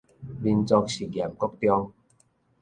民族實驗國中